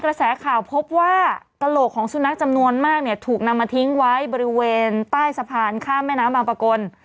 กระแสข่าวพบว่ากระโหลกของสุนัขจำนวนมากเนี่ยถูกนำมาทิ้งไว้บริเวณใต้สะพานข้ามแม่น้ำบางประกล